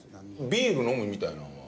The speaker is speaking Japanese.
ビール飲むみたいなのは。